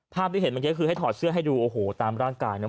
ที่เห็นเมื่อกี้คือให้ถอดเสื้อให้ดูโอ้โหตามร่างกายนะ